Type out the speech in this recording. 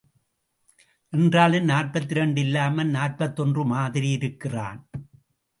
என்றாலும் நாற்பத்திரண்டு இல்லாமல் நாற்பத்தொன்று மாதிரி இருக்கிறான்,.